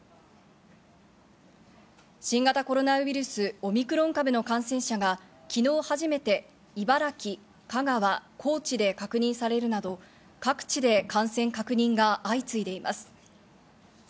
新型コロナウイルス、オミクロン株の感染者が昨日初めて茨城、香川、高知で確認されるなど各地で感染確認が相次いでいます。